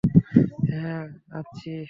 হ্যাঁ, আসছি!